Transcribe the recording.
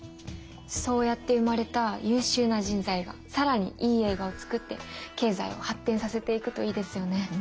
そうやって生まれた優秀な人材が更にいい映画を作って経済を発展させていくといいですよね。